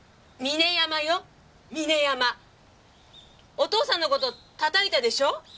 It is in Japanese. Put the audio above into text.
お父さんの事たたいたでしょ？